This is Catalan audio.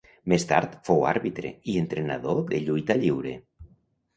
Més tard fou àrbitre i entrenador de lluita lliure.